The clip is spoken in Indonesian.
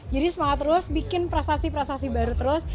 jadi semangat terus bikin prestasi prestasi baru terus